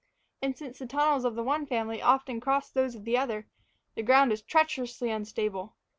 And since the tunnels of one family often crossed those of another, the ground was treacherously unstable.